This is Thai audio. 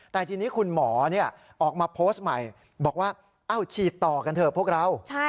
แต่ทีนี้คุณหมอออกมาโพสต์ใหม่บอกว่าฉีดต่อกันเถอะพวกเรา